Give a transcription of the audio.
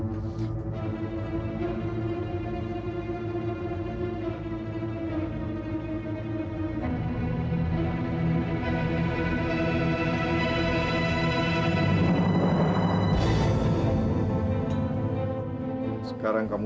inilah calon istri saya yang baru